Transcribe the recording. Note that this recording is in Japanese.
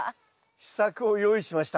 秘策を用意しました。